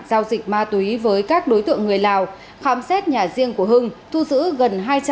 giao dịch ma túy với các đối tượng người lào khám xét nhà riêng của hưng thu giữ gần hai trăm linh viên ma túy tổng hợp